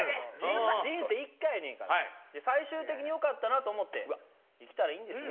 人生一回やねんから最終的によかったなと思って生きたらいいんですよ。